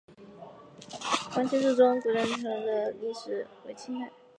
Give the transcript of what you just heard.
黄氏宗祠古建群的历史年代为清代。